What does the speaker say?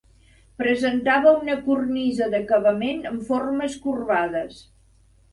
Presentava una cornisa d'acabament amb formes corbades.